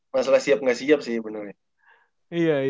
masalah siap gak siap sih bener